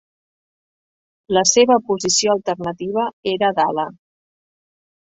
La seva posició alternativa era d'ala.